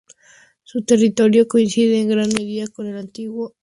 Su territorio coincide en gran medida con el antiguo territorio ocupado por los muiscas.